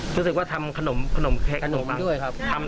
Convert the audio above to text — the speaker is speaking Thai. คุณสิว่าทำขนมเค้กด้วยครับ